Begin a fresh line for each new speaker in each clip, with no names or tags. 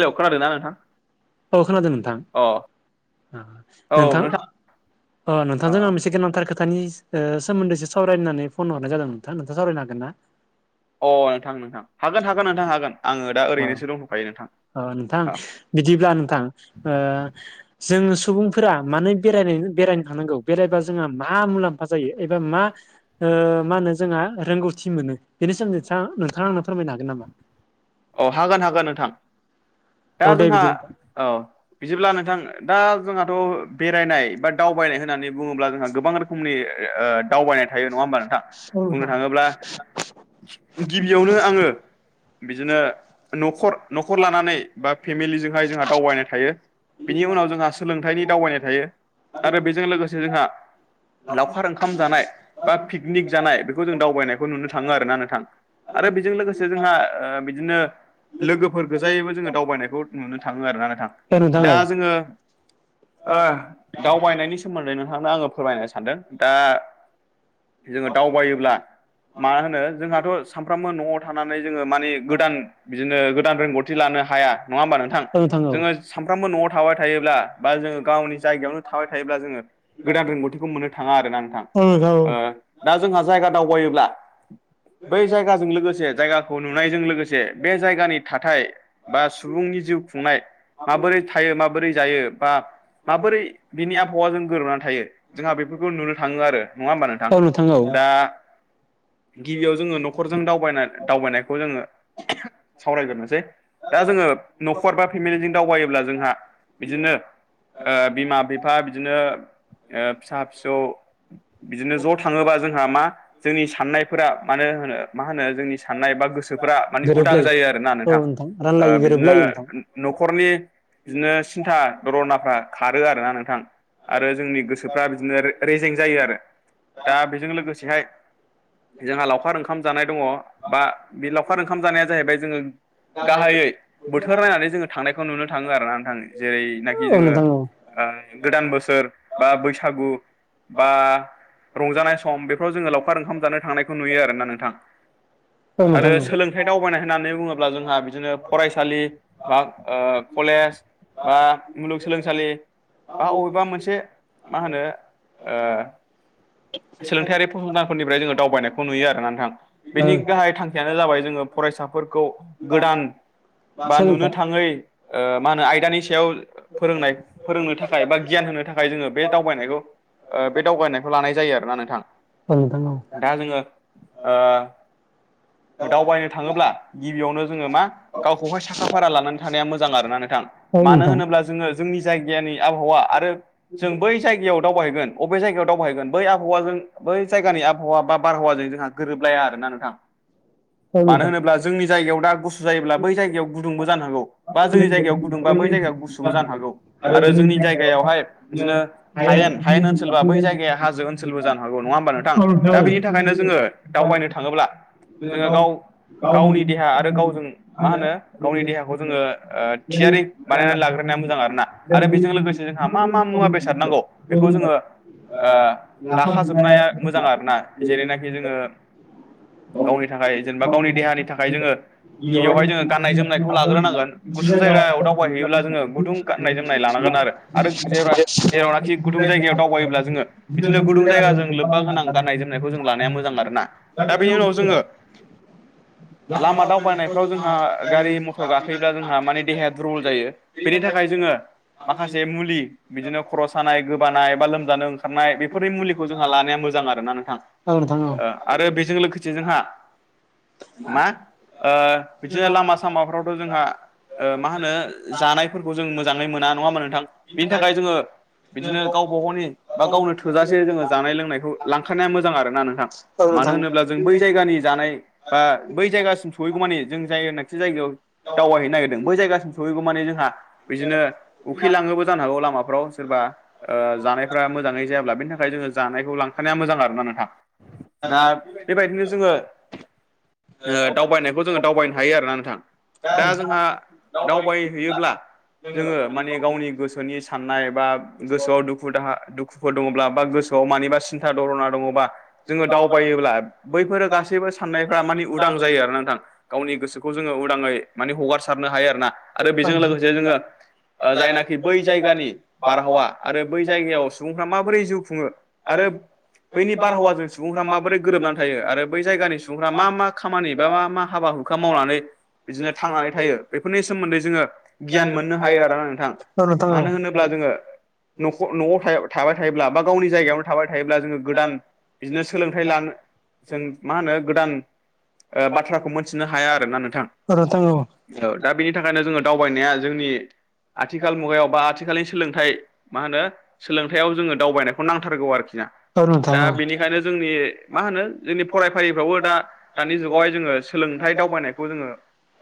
Hello खोनादोंना नोंथां
औ खोनादों नोंथां
अ औ
नोंथां
नोंथां
अ नोंथांजों आं मोनसे गोनांथार खोथानि सोमोन्दैसो सावराय सरायनानै फन हरनाय जादों नोंथां नोंथां सावरायनो हागोन ना
अ नोंथां नोंथां हागोन हागोन नोंथां हागोन आङो दा
अ
ओरैनोसो दं'खायो नोंथां
अ नोंथां बिदिब्ला नोंथां ओ जों सुबुंफोरा मानो बेराय बेराय थानांगौ बेरायबा जोंहा मा मुलाम्फा जायो एबा मा मा होनो जोंहा रोंगौथि मोनो बे सोमोदै नोंथाङा नोंथाङा आंनो फोरमायनो हागोन नामा
औ हागोन हागोन नोंथां दा
औ दे
जोंहा
बिदि नोंथां
औ बिदिब्ला नोंथां दा जोंहाथ' बेरायनाय बा दावबायनाय होननानै बुङोब्ला जोंहा गोबां रोखोमनि ओ दावबायनाय थायो नङा होमबा नोंथां
औ
बुंनो
नोंथां
थाङोब्ला गिबियावनो आङो बिदिनो न'खर न'खर लानानै बा फेमिलिजों हाय जोंहा दावबायनाय थायो बिनि उनाव जोंहा सोलोंथाइनि दावबायनाय थायो आरो बेजों लोगोसे जोंहा लावखार ओंखाम जानाय बा पिकनिक जानाय बेखौ जों दावबायनायखौ नुनो थाङो आरोना नों थां आरो बेजों लोगोसे जोंहा ओ बिदिनो लोगोफोर गोजायैबो जोङो दावबायनायखौ नुनो थाङो आरो ना नोंथां
औ नोंथां
दा
औ
जोङो ओ दावबायनायनि सोमोन्दै नोंथांनो आङो फोरमायनो सानदों दा जोङो दावबायोब्ला मा होनो जोंहा सानफ्रामबो न'आव थानानै जोङो माने गोदान बिदिनो गोदान रोंगौथि लानो हाया नङा होमबा नोंथां
औ औ
जोङो सानफ्रोमबो न'आव थाबाय थायोब्ला बा जोङो गावनि जायगायावनो थाबाय थायोब्ला जोङो गोदान रों रोंगौथिखौ मोननो थाङा आरोना नोंथां
औ औ
ओ दा जोंहा जायगा दावबायोब्ला बै जायगाजों लोगोसे जायगाखौ नुनायजों लोगोसे बे जायगानि थाथाय बा सुबुंनि जिउ खुंनाय माबोरै थायो माबोरै जायो बा माबोरै बिनि आबहावाजों गोरोबनानै थायो जोंहा बेफोरखौ नुनो थाङो आरो नङा होमबा
औ
नोंथां
औ
दा गिबियाव जोङो न'खरजों दावबाय दावबायनायखौ जोङो सावरायग्रोनोसै दा जोङो न'खर बा फेमिलिजों दावबायोब्ला जोंहा बिदिनो ओ बिमा - बिफा बिदिनो ओ फिसा - फिसौ बिदिनो ज' थाङोबा जोंहा मा जोंनि साननायफोरा मानो होनो मा होनो जोंनि साननाय बा गोसोफोरा माने उदां
गोरोबलायो
जायो आरो ना
औ
नोंथां। ओ
रानलायो
बिदिनो
गोरोबलायो नोंथां
न'खरनि बिदिनो सिन्था दरनाफ्रा खारो आरो ना नोंथां। आरो जोंनि गोसोफ्रा बिदिनो रेजें जायो आरो दा बेजों लोगोसेहाय जोंहा लावखार
[unintelligible]
ओंखाम जानाय दङ बा बे लावखार ओंखाम जानाया जाहैबाय जोङो गाहायै बोथोर नायनानै जोङो थांनायखौ नुनो थाङो आरो ना नोंथां जेरैनाखि
मोनो आरो। औ
जोङो
नोंथां औ
ओ गोदान बोसोर बा बैसागु बा रंजानाय सम बेफोराव जोङो लावखार ओंखाम जानो थांनायखौ नुयो आरोना नोंथां।
औ नोंथां
आरो
औ
सोलोंथाइ दावबायनाय होननानै बुङोब्ला जोंहा बिदिनो फरायसालि बा ओ कलेज बा मुलुगसोलोंसालि बा बबेबा मोनसे मा होनो ओ सोलोंथायारि फसंथानफोरनिफ्राय जोङो दावबायनायखौ नुयो आरोना नों बेनि गाहाय थांखियानो जाबाय जोङो फरायसाफोरखौ गोदान बा नुनो थाङै ओ मा होनो आयदानि सायाव फोरोंनाय फोरोंनो थाखाय बा गियान होनो थाखाय जोङो बे दावबायनायखौ ओ बे दावबायनाय लानाय जायो आरोना नोंथां
नोंथां औ नोंथां
दा जोङो ओ दावबायनो थाङोब्ला गिबियावनो जोङो मा गावखौहाय साखा फारा लानानै थानाया मोजां आरोना नोंथां।
औ
मानो
नोंथां
होनोब्ला जोङो जोंनि जायगानि आबहावा आरो जों बै जायगायाव दावबायहैगोन अबे जायगायाव दावबायैगोन बै आबहावाजों बै जायगानि आबहावा बा बारहावाजों जोंहा गोरोबलाया आरो ना नोंथां।
[inaudible]
मानो होनोब्ला जोंनि जायगायाव दा गुसु जायोब्ला बै जायगायाव गुदुंबो जानो हागौ बा जोंनि जायगायाव गुदुंबा बै जायायाव गुसु बो जानो हागौ आरो जोंनि जायगायावहाय बिदिनो हायेन हायेन ओनसोलबा बै जायगाया हाजो ओनसोलबो जानो हागौ नङा होमबा नोंथां दा बेनि थाखायनो जोङो दावबायनो थाङोब्ला जोङो गाव गावनि देहा आरो गावजों मा होनो गावनि देहाखौ जोङो ओ थियारि बानायनानै लाग्रोनाया मोजां आरोना आरो बेजों लोगोसे जोंहा मा मा मुवा बेसाद नांगौ बेखौ जोङो ओ लाखाजोबनाया मोजां आरो ना जेरैनाखि जोङो गावनि थाखाय जेनेबा गावनि देहानि थाखाय जोङो गिबियावहाय जोङो गाननाय जोमनायखौ लाग्रोनांगोन गुसु जायगायाव दावबाय हैैयोब्ला जोङो गुदुं गाननाय जोमनाय लानांगोन आरो जेब्ला जेरावनाखि गुदुं जायगायाव दावबायोब्ला जोङो बिदिनो गुदुं जायगाजों लोब्बा गोनां गाननाय जोमनायखौ जों लानाया मोजां आरो ना।
[unintelligible]
लामा दावबायनायफ्राव जोंहा गारि मथर गाखोयोब्ला जोंहा माने देहाया दुरबल जायो। बेनि थाखाय जोङो माखासे मुलि बिदिनो खर' सानाय, गोबानाय बा लोमजानो ओंखारनाय बेफोरनि मुलि जोंहा लानाया मोजां आरो ना नोंथां।
औ नोंथां औ।
आरो बेजों लोगोसे जोंहा मा ओ बिदिनो लामा सामाफ्रावथ' जोंहा ओ मा होनो जानायफोरखौ जों मोजाङै मोना नङा होनबा नोंथां बेनि थाखाय जोङो बिदिनो गावबा गावनि बा गावनो थोजासे जोङो जानाय लोंनायखौ लांखानाया मोजां आरो ना नोंथां।
औ
मानो होनोब्ला जों बै जायगानि जानाय बा बै जायगासिम सहैगौ मानि जों जायनाखि जायगायाव दावबाय हैैनो नागिरदों बै जायगासिम सहैगौ माने जोंहा बिदिनो उखैलाङोबो [unintelligible] जानायफ्रा मोजाङै जायाब्ला बेनिखायनो जों जानायखौ लांफानाया मोजां आरो ना नोंथां दा बेबायदिनो जोङो ओ दावबायनायखौ जोङो दावबायनो हायो आरोना नोंथां। दा जोंहा दावबायहैयोब्ला जोङो माने गावनि गोसोनि साननाय बा गोसोआव दुखु दाहा दुखु। दुखु दङब्ला बा गोसोआव मानिा सिन्था दरना दङबा जोङो दाव दावबायोब्ला बैफोर गासैबो साननायफ्रा मानि उदां जायो आरो नोंथां। गावनि गोसोखौ जोङो उदाङै माने हगारसारनो हायो आरोोना आरो बेजों लोगोसे जोङो ओ जायनाखि बै जायगानि बारहावा आरो बै जायगायाव सुबुंफ्रा माबोरै जिउ खुङो। आरो बैनि बारहावाजों सुबुंफ्रा मा गोरोबनानै थायो आरो बै जायगानि सुबुंफ्रा मा मा खामानि बा मा मा हाबा हुखा मावनानै बिदिनो थांनानै थायो। बेफोरनि सोमोन्दै जोङो गियान मोननो हायो आरोना नोंथां
नोंथां
मानो होनोब्ला जोङो नख न'आव थाबाय थायोब्ला बा गावनि जायगायावनो थाबाय थायोब्ला जोङो गोदान बिदिनो सोलों थाइ लानो जों मा होनो गोदान ओ बाथ्राखौ मोनथिनो हाया आरो ना नोंथां।
औ नोंथां औ
ओ दा बेनि थाखायनो जोङो दावबायनाया जोंनि आथिखाल मुगायाव बा आथिखालनि सोलोंथाइ मा होनो सोलोंथाइयाव जोङो दावबायनायखौ नांथारगौ आरोखि ना
औ नोंथां औ
दा बेनिखायनो जोंनि मा होनो जोंनि फरायफारिफ्रावबो दा दानि जुगावहाय जोङो सोलोंथाइ
नोंथां
दावबायनायखौ जोङो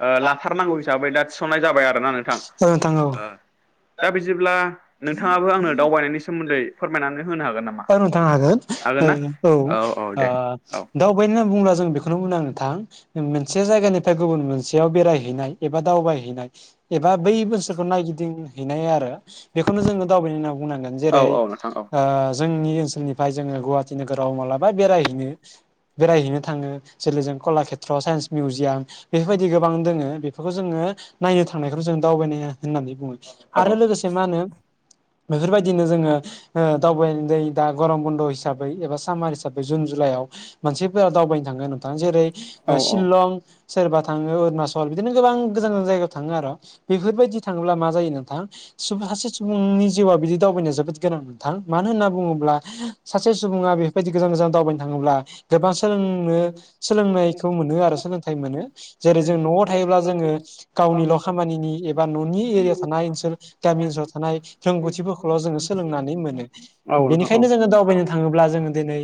ओ लाथारनांगौ हिसाबै दा थिसननाय जाबाय आरो ना नोंथां।
औ
दा बिदिब्ला नोंथाङाबो आंनो दावबायनायनि सोमोन्दै फोरमायनानै होनो हागोन नामा?
औ नोंथां हागोन
हागोन ना?
औ।
औ औ दे औ
दावबायदि होनना बुंब्ला जों बेखौनो होनां गोन नोंथां। मोनसे जायगानिफ्राय गुबुन मोनसेयाव बेरायहैनाय एबा दावबायहैनाय। एबा बै बोसोरखौ नायगिदिंहैनाय आरो बेखौनो जोङो दावबायनाय होन बुंनांगोन
औ
जेरै
औ नोंथां औ
ओ जोंनि ओनसोलनिफ्राय जोङो गुवाहाटि नोगोराव मालाबा बेरायहैनो। बेरायहैनो थाङो जेरै जों कलाकेत्रआव साइन्स मिउजियाम। बेफोरबायदि गोबां दोङो बेफोरखौ जोङो नायनो थांनायखौ जों दावबायनाया होननानै बुङो। आरो
औ
लोगोसे मा होनो बेफोरबायदिनो जोङो ओ दावबायनो दैै दा गरम बन्द' हिसाबै एबा सामार हिसाबै जुन जुलाइआव। मानसिफोरा दावबायनो थाङोना नोंथां जेरै
औ
ओ शिलं सोरबा थाङो अरुणाचल बिदिनो गोबां गोजान गोजान जायगायाव थाङो आरो बेफोरबायदि थाङोब्ला मा जायो नोंथां सासे सुबुंनि जिउआ बिदि दावबायनाया जोबोद गोनां नथां मानो होन बुङोब्ला सासे सुबुङा बेफोरबायदि गोजान गोजान दावबायनो थाङोब्ला। गोबां सोलोंनो सोलोंनायखौ मोनो आरो सोलोंथाइ मोनो जेरै जों न'आव थायोब्ला जोङो गावनिल' खामानिनि एबा न'नि एरियायाव थानाय ओनसोल गामि ओनसोलाव थानाय रोंगौथिफोरखौ खौल' जोङो सोलोंनानै मोनो।
औ नोंथां
बेनिखायनो जोङो दावबायनो थाङोब्ला जोङो दिनै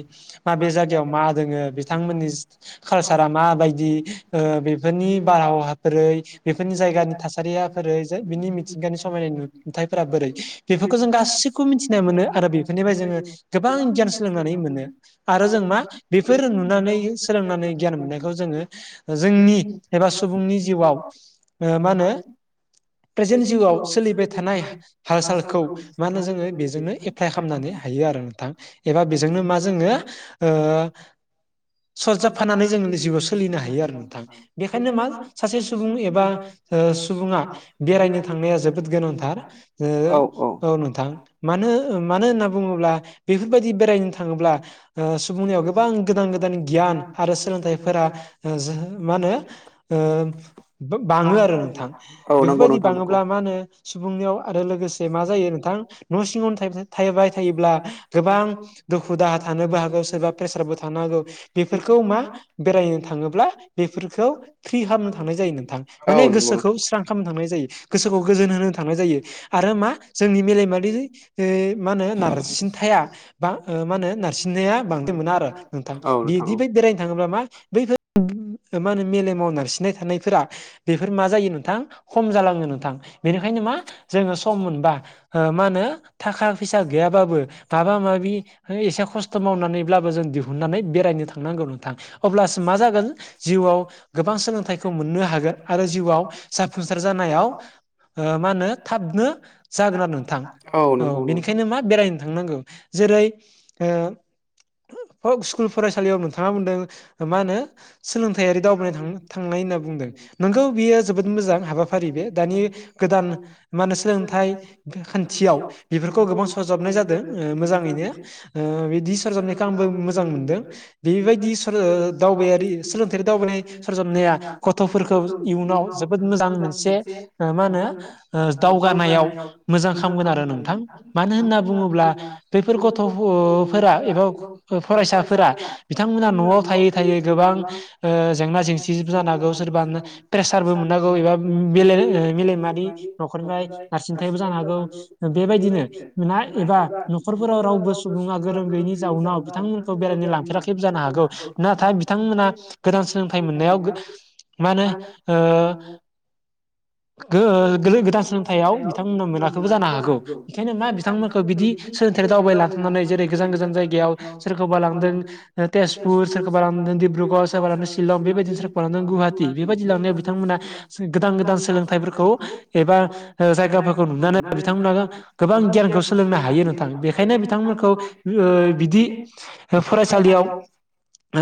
माबे जायगायाव मा दों बिथांमोननि कालसारा माबायदि ओ बेफोरनि बारहाव बोरै बेफोरनि जायगानि थासारिया बोरै बिनि मिथिंगानि समायना नुुथायफोरा बोरै। बेफोरखौ जों गाैखौबो मिथिनाय मोनो आरो बेफोरनि जोङो गोबां गियान सोलोंनानै मोनो आरो जों मा बेफोर नुनानै सोलोंनानै गियान मोननायखौ जोङो जोंनि एबा सुबुंनि जिउआव ओ मा होनो। प्रेजेन्ट जिउआव सोलिबाय थानाय हाल सालखौ मा होनो जोङो बेजोंनो एप्लाइ खालाम नानै हायो आरो नोंथां एबा बेजोंनो मा जोङो ओ सरजाबफानानै जों जिउआव सोलिनो हायो आरो नोंथां बेखायनो मा सासे सुबुं एबा ओ सुबुङा बेरायनो थांनाया जोबोद गोनांथार ओ औ नोंथां। मानो मानो होनना बुङोब्ला बेफोरबायदि बेरायनो थाङोब्ला ओ सुबुंनियाव गोबां गोदान गोदान गियान आरो सोलोंथाइफोरा ओजो मा होनो ओ बा-बाङो आरो नोंथां
औ नंगौ
बेफोरबायदि
नोंथां
बाङोब्ला मा होनो? सुबुंनियाव आरो लोगोसे मा जायो नोंथां न' सिङावनो थायोबाथाय बाय थायोब्ला गोबां दुखु दाहा थानोबो हागौ सोरबा प्रेसाराबबो थानो हागौ बेफोरखौ मा? बेरायनो थाङोब्ला बेफोरखौ फ्रि खालामनो थांनाय जायो नोंथां
औ
माने गोसोखौ स्रां खालामनो थांनाय जायो। गोसोखौ गोजोन होनो थांनाय जायो आरो मा जोंनि मेलेमारि ओ- नो नारसिनथाया बा ओ-मा होनो नारसिननया बांदाय मोना आरो नोंथां
नंगौ नोंथां
बिदि
औ
बेरायनो थाङोब्ला मा बै [unintelligible] मा होनो मेलेमाव नारसिननाय थानायफोरा बेफोर मा जायो नोंथां? खम जालाङो नोंथां बेनिखायनो मा जोङो सम मोनबा ओ मा होनो थाखा फैसा गैयाबाबो माबा माबि एसे खस्थ मावनानैब्लाबो जों दिहुननानै बेरायनो थांनांगौ नोंथां। अब्लासो मा जागोन जिउआव गोबां सोलोंथाइखौ मोननो हागोन आरो जिउआव जा फुंसार जानायाव ओ-मा होनो थाबनो जागोन आरो नोंथां। औ बेनिखायनो मा बेरायनो थांनांगौ जेरै ओ- हक स्कुल फरायसालियाव नोंथाङा बुंदों ओ-मा होनो सोलोंथायारि दावबाय थां-थांनाय होनना बुंदों। नंगौ बियो जोबोद मोजां हाबाफारि बे दानि गोदान मा होनो सोलोंथाइ खा-खान्थियाव बेफोरखौ गोबां‌ सरजाबनाय जादों ओ- मोजाङैनो। ओ-बिदि सरजाबनायखो आंबो मो मोजां मोनदों बेबायदि सर-दावबायारि सोलोंथायारि दावबायनाय सरजाबनाया गथ'फोरखौ इयुनाव जोबोद मोजां मोनसे ओ-मा होनो दावगानायाव। मोजां खालागोन आरो नोंथां मान मानो होनना बुङोब्ला बैफोर गथ'फोरा एबा फरायसाफोरा बिथांमोना नआव थायै थायै गोबां ओ- जेंना जेंसि जानो हांगौ सोरबा प्रेसारबो मोननो हागौ एबा मे-ओ-मेलेमारि नखरनिफ्राय नारसिनथायबो जानो हागौ। बेबायदिनो ना एबा नखरफोराव रावबो सुबुङा गोरों गैयैनि जाउनाव बिथांमोन बेरायनो लांफेराखैबो जानो हागौ नाथाय बिथांमोना गोदान सोलोंथाइ मोननायाव गो माने ओ- गो-ओ-गोदान सोलोंथायाइयाव बिथांमोना मोनाखैबो जानो हागौ। बेखायनो मा बिथांमोनखौ बिदि सोलोंथ दावबायलांथांनानै जेरै गोजान गोजान जायगायाव सोरखौबा लांदों। तेजपुर सोरखौबा लांदों डिब्रुगर सोरबा लांदों शिलं बेबायदिनो सोरखौबा लांदों गुवाहाटि बेबायदि लांनायाव बिथांमोना। गोदान गोदान सोलों
सोलोंफोरखौ एबा जायगाफोरखौ नुनानै
गोबां गियानखौ सोलोंनो हायो नोंथां बेखायनो बिथांमोनखौ ओ बिदि फरायसालियाव ओ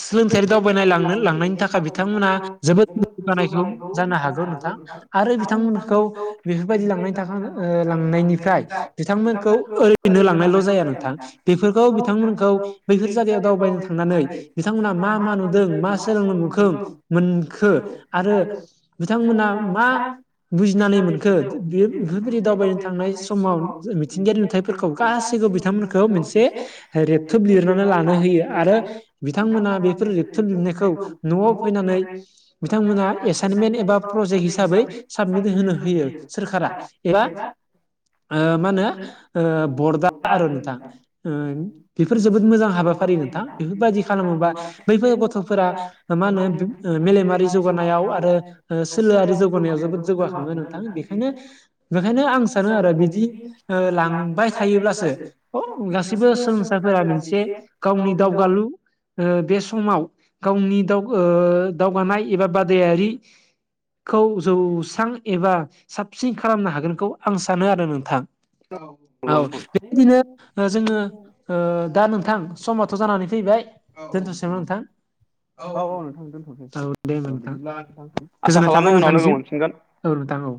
सोलोंथायारि दावबायनाय लांनो लांनायनि थाखाय बिथांमोना जोबोद जौगानायखौ जानो हा
जानो हागौ नोंथां। आरो
बेफोरबायदि लांनायनि थाखाय
[unintelligible]
ओ लांनायनिफ्राय बिथांमोनखौ ओरैनो लांनायल' जाया नोंथां बेफोरखौ बिथांमोनखौ। बैफोर जायगायाव दावबायनो थांनानै बिथांमोना मा मा नुदों मा सोलोंनो मोनखों। मोनखो आरो बिथांमोना मा बुजिनानै मोनखो? [unintelligible] बे दावबायनो थांनाय समाव मिथिंगायारि नुथायफोरखौ गासैखौबो बिथांमोनखौ मोनसे रेबथोब लिरनानै लानो होयो आरो बिथांमोना बेफोर रेबथोब लिरनायखौ न'आव फैनानै बिथांमोना एसाइनमेन्ट एबा प्रजेक्ट हिसाबै साबमिट होनो होयो सोरखारा एबा ओ-मा होनो बर्दा आरो नोंथां। बेफोर जोबोद मोजां हाबाफारि नोंथां बेफोरबायदि खालामोबा बैफोर गथ'फोरा मा होनो ओ-मेलेमारि जौगानायाव आरो ओ- सोलोआरि जौगानायाव जोबोद जौगाखाङो नोंथां बेखायनो बेखायनो आं सानो आरो बिदि ओ-लांबाय थायोब्लासो अ गासिबो सोलोंसाफोरा मोनसे गावनि दावगालु ओ‌ बे समाव गावनि दावगानाय एबा बादायारि खौ जौस्रां एबा साबसिन खालामनो हागोनखौ आं सानो आरो नोंथां। औ
नंगौ
औ
नोंथां
बेबायदिनो जोङो दा नोंथां समथ' जानानै फैबाय
औ
दोनथसेा नोंथां? औ औ दे होनोमबा
बिदिब्ला
नोंथां
आसा
गोजोननाय
खालामो
थाबाय
उनाव लोगो
नोंथांनिसिम।
मोनफिनगोन
औ नोंथां औ